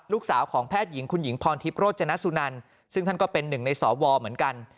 ลูกสาวของแพทย์หญิงคุณหญิงพรทิพย์โรจนสุนันซึ่งท่านก็เป็นหนึ่งในสวเหมือนกัน